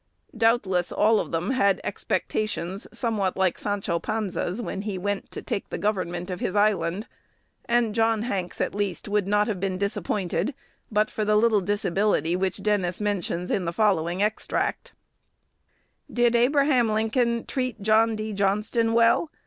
Doubtless all of them had expectations somewhat like Sancho Panza's, when he went to take the government of his island, and John Hanks, at least, would not have been disappointed but for the little disability which Dennis mentions in the following extract: "Did Abraham Lincoln treat John D. Johnston well?"